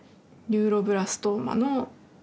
ニューロブラストーマ。